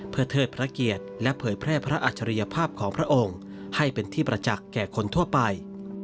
เพื่อเทิดพระเกียรติและเผยแพร่พระอัจฉริยภาพของพระองค์ให้เป็นที่ประจักษ์แก่คนทั่วไป